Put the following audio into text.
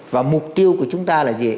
và mục tiêu của chúng ta là gì